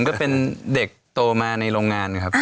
ก็เป็นเด็กโตมาในโรงงานครับ